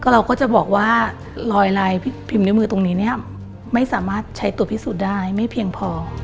เราก็จะบอกว่าลอยลายพิมพ์นิ้วมือตรงนี้เนี่ยไม่สามารถใช้ตรวจพิสูจน์ได้ไม่เพียงพอ